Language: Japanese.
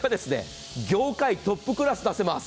これは業界トップクラス出せます。